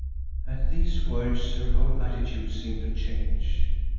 At these words her whole attitude seemed to change.